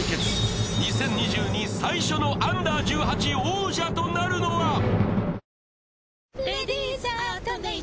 ２０２２最初のＵ−１８王者となるのは！？